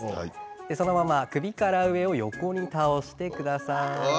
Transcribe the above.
そのまま、首から上を横に倒してください。